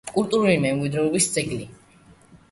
კულტურული მემკვიდრეობის ძეგლი.